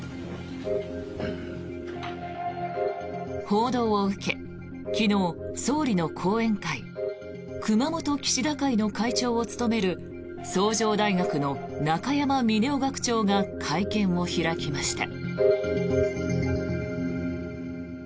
報道を受け昨日、総理の後援会熊本岸田会の会長を務める崇城大学の中山峰男学長が会見を開きました。